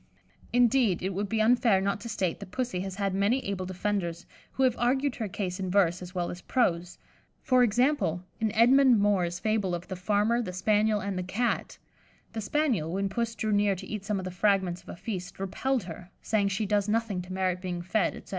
Indeed, it would be unfair not to state that Pussy has had many able defenders, who have argued her case in verse as well as prose; for example, in Edmond Moore's fable of "The Farmer, the Spaniel and the Cat" the Spaniel, when Puss drew near to eat some of the fragments of a feast, repelled her, saying she does nothing to merit being fed, etc.